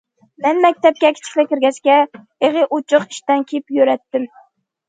مەن مەكتەپكە كىچىكلا كىرگەچكە، ئېغى ئوچۇق ئىشتان كىيىپ يۈرەتتىم.